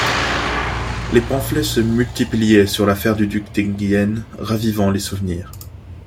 Les pamphlets se multipliaient sur l'affaire du duc d'Enghien, ravivant les souvenirs.